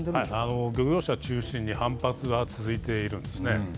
漁業者中心に反発が続いているんですね。